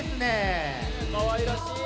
かわいらしい。